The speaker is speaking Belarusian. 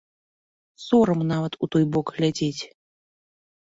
Сорам нават у той бок глядзець.